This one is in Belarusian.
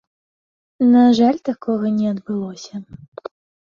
На жаль, такога не адбылося.